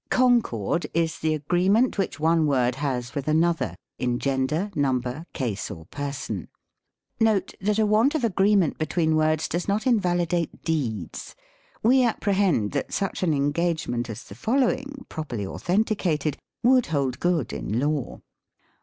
Concord is the agreement which one word has with another, in gender, number, case or person. Note. — That a want of agreement between words does not invalit^ate deeds. We apprehend that such an engagement as the following, properly authenticated, would hold good in law.